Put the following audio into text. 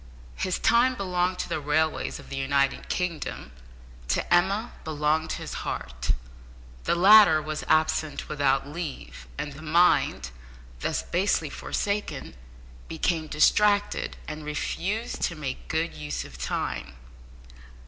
His time belonged to the railways of the United Kingdom; to Emma belonged his heart. The latter was absent without leave, and the mind, thus basely forsaken, became distracted, and refused to make good use of time.